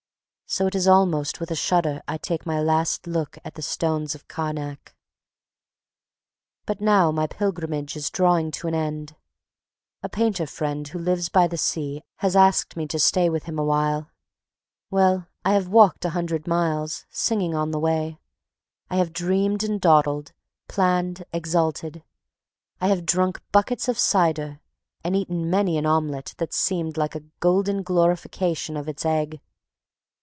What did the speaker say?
So it is almost with a shudder I take my last look at the Stones of Carnac. But now my pilgrimage is drawing to an end. A painter friend who lives by the sea has asked me to stay with him awhile. Well, I have walked a hundred miles, singing on the way. I have dreamed and dawdled, planned, exulted. I have drunk buckets of cider, and eaten many an omelette that seemed like a golden glorification of its egg.